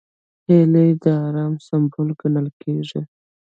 هیلۍ د ارام سمبول ګڼل کېږي